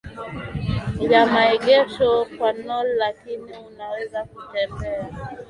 ya maegesho kwa Knole lakini unaweza kutembea